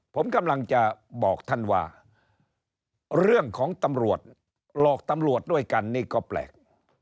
ผมกำลังจะบอกท่านว่าเรื่องของตำรวจหลอกตำรวจด้วยกันนี่ก็แปลก